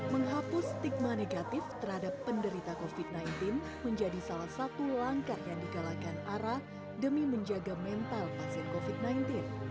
menghapus stigma negatif terhadap penderita covid sembilan belas menjadi salah satu langkah yang digalakan ara demi menjaga mental pasien covid sembilan belas